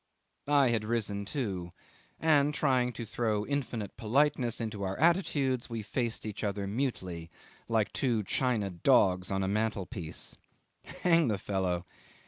'I had risen too, and, trying to throw infinite politeness into our attitudes, we faced each other mutely, like two china dogs on a mantelpiece. Hang the fellow!